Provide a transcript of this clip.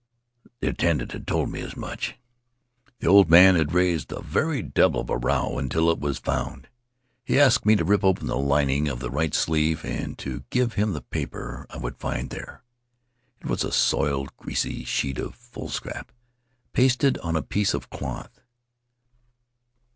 The attendant had told me as much. The old man The Englishman's Story had raised the very devil of a row until it was found. He asked me to rip open the lining of the right sleeve and to give him the paper I would find there. It was a soiled, greasy sheet of foolscap, pasted on a piece of cloth.